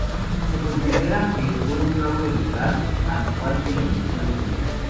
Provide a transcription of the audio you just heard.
Se considera que fue un fraude electoral, al igual que la elección anterior.